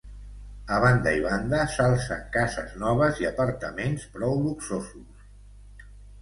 A banda i banda s'alcen cases noves i apartaments prou luxosos.